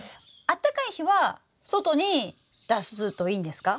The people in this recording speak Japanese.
あったかい日は外に出すといいんですか？